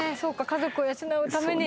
家族を養うために。